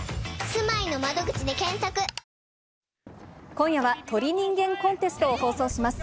今夜は、鳥人間コンテストを放送します。